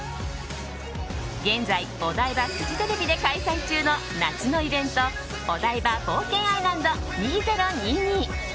現在お台場フジテレビで開催中の夏のイベントオダイバ冒険アイランド２０２２。